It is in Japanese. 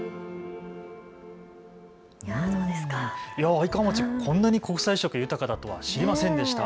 愛川町、こんなに国際色豊かだとは知りませんでした。